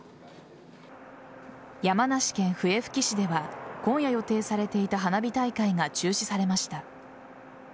山梨県笛吹市では今夜予定されていた花火大会が中止されました。